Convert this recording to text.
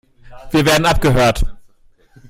Wir werden abgehört.